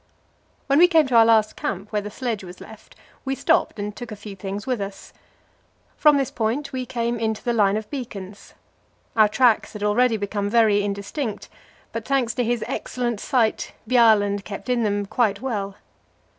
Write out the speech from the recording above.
When we came to our last camp, where the sledge was left, we stopped and took a few things with us. From this point we came into the line of beacons. Our tracks had already become very indistinct, but, thanks to his excellent sight, Bjaaland kept in them quite well.